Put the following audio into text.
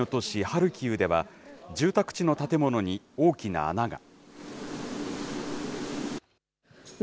ハルキウでは、住宅地の建物に大きな穴が。